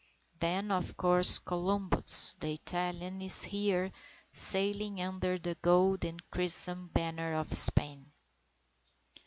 Then, of course, Columbus the Italian is here, sailing under the gold and crimson banner of Spain.